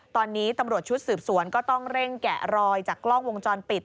ตอนนี้ตำรวจชุดสืบสวนก็ต้องเร่งแกะรอยจากกล้องวงจรปิด